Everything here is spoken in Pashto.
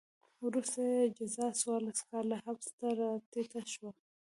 وروسته یې جزا څوارلس کاله حبس ته راټیټه شوه.